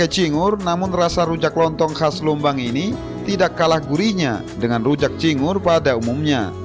cingur namun rasa rujak lontong khas lombang ini tidak kalah gurihnya dengan rujak cingur pada umumnya